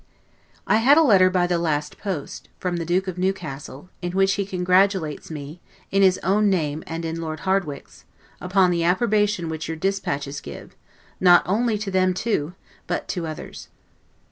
I had a letter by the last post, from the Duke of Newcastle, in which he congratulates me, in his own name and in Lord Hardwicke's, upon the approbation which your dispatches give, not only to them two, but to OTHERS.